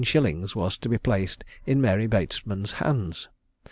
_ was to be placed in Mary Bateman's hands.